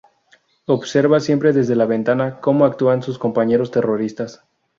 Observa siempre desde la ventana como actúan sus compañeros terroristas.